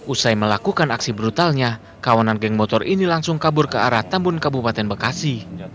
usai melakukan aksi brutalnya kawanan geng motor ini langsung kabur ke arah tambun kabupaten bekasi